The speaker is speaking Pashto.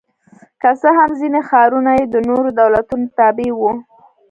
که څه هم ځیني ښارونه یې د نورو دولتونو تابع وو